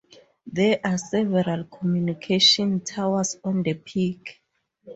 There are several communication towers on the peak.